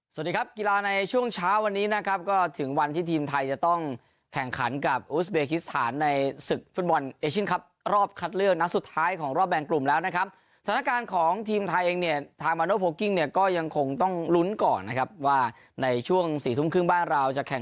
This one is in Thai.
สวัสดีครับกีฬาในช่วงเช้าวันนี้นะครับก็ถึงวันที่ทีมไทยจะต้องแข่งขันกับอุสเบคิสถานในศึกฟุตบอลเอเชียนครับรอบคัดเลือกนัดสุดท้ายของรอบแบ่งกลุ่มแล้วนะครับสถานการณ์ของทีมไทยเองเนี่ยทางมาโนโพลกิ้งเนี่ยก็ยังคงต้องลุ้นก่อนนะครับว่าในช่วงสี่ทุ่มครึ่งบ้านเราจะแข่ง